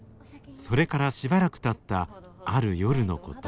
それからしばらくたったある夜のこと。